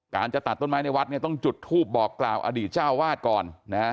จะตัดต้นไม้ในวัดเนี่ยต้องจุดทูปบอกกล่าวอดีตเจ้าวาดก่อน